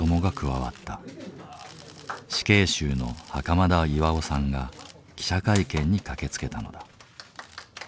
死刑囚の袴田巖さんが記者会見に駆けつけたのだ。